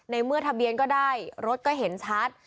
ในเมื่อทะเบียนก็ได้รถก็เห็นชัด